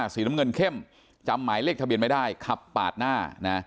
สีน้ำเงินเข้มจำหมายเลขทะเบียนไม่ได้ขับปาดหน้านะ